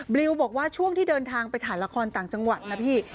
ลิวบอกว่าช่วงที่เดินทางไปถ่ายละครต่างจังหวัดนะพี่